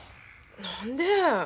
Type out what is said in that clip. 何で？